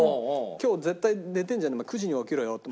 今日絶対寝てんじゃねえ９時に起きろよって。